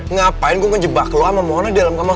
ngapain gua ngejebak lu sama mona di dalam kamar hotel